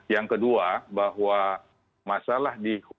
yang kedua bahwa masalah di